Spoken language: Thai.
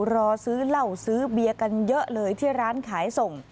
รอซื้อเหล้าซื้อเบียร์กันเยอะเลยที่ร้านขายส่ง